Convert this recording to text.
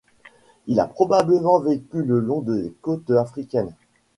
Il a probablement vécu le long des côtes africaines.